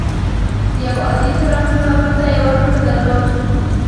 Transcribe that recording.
د یو عادي څراغ جوړولو ته یې وخت نه درلود.